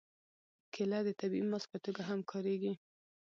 کېله د طبیعي ماسک په توګه هم کارېږي.